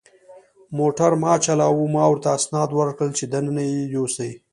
موټر ما چلاوه، ما ورته اسناد ورکړل چې دننه یې یوسي.